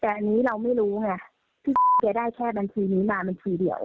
แต่อันนี้เราไม่รู้ไงพี่แกได้แค่บัญชีนี้มาบัญชีเดียว